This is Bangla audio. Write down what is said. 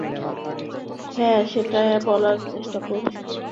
হ্যাঁ, সেটাই বলার চেষ্টা করছি।